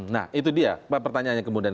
nah itu dia pertanyaannya kemudian